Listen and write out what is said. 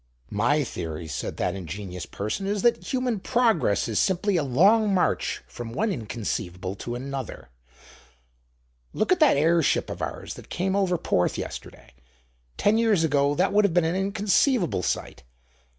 "My theory," said that ingenious person, "is that human progress is simply a long march from one inconceivable to another. Look at that airship of ours that came over Porth yesterday: ten years ago that would have been an inconceivable sight.